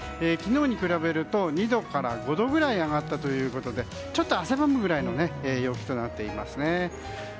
昨日に比べると２度から５度くらい上がったということで汗ばむくらいの陽気となっていますね。